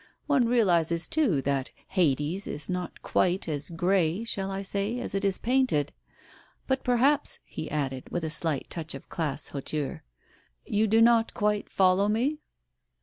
One realizes, too, that Hades is not quite as grey, shall I say, as it is painted ! But perhaps," he added, with a slight touch of class hauteur, "you do not quite foHow me